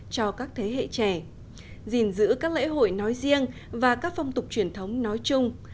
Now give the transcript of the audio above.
cho các thế hệ trẻ gìn giữ các lễ hội nói riêng và các phong tục truyền thống nói chung